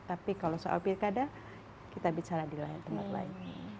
tapi kalau soal pilkada kita bicara di lain tempat lain